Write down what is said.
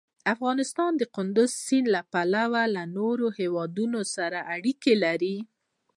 افغانستان د کندز سیند له پلوه له نورو هېوادونو سره اړیکې لري.